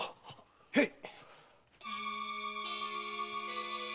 へい！